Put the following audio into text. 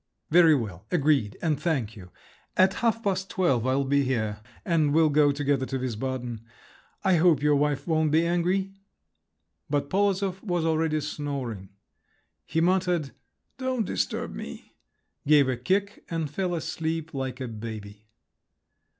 "Very well, agreed, and thank you. At half past twelve I'll be here, and we'll go together to Wiesbaden. I hope your wife won't be angry…." But Polozov was already snoring. He muttered, "Don't disturb me!" gave a kick, and fell asleep, like a baby.